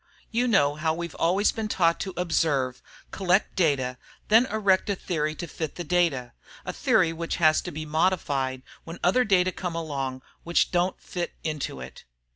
You know how we've always been taught to observe, collect data, then erect a theory to fit the data, a theory which has to be modified when other data came along which don't fit into it.